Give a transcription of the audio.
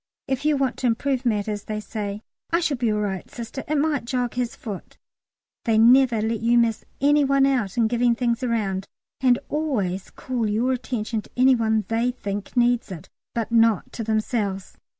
If you want to improve matters they say, "I shall be all right, Sister, it might jog his foot." They never let you miss any one out in giving things round, and always call your attention to any one they think needs it, but not to themselves.